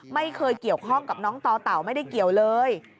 ไม่เคยเกี่ยวข้องกับน้องต่อเต่าไม่ได้เกี่ยวเลย